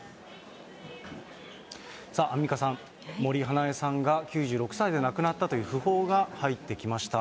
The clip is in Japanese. アンミカさん、森英恵さんが９６歳で亡くなったという訃報が入ってきました。